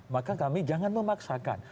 maka kami jangan memaksakan